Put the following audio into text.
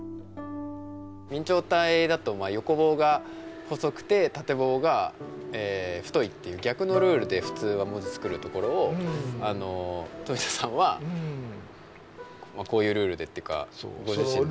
明朝体だと横棒が細くて縦棒が太いっていう逆のルールで普通は文字を作るところをあの冨田さんはこういうルールでっていうかご自身で。